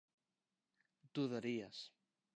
dudarías